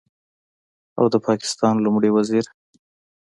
او د پاکستان لومړي وزیر